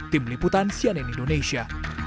tim liputan sianen indonesia